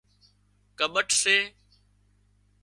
ڪٻٺ سي